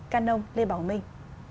canon lê bảo minh